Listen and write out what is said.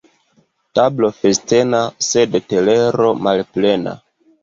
Tablo festena, sed telero malplena.